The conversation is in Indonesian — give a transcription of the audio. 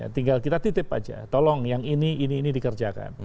tinggal kita titip aja tolong yang ini ini dikerjakan